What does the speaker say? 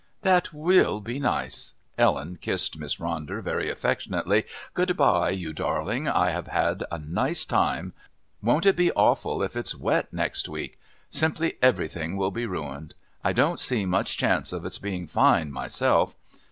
"That will be nice." Ellen kissed Miss Ronder very affectionately. "Good bye, you darling. I have had a nice time. Won't it be awful if it's wet next week? Simply everything will be ruined. I don't see much chance of its being fine myself.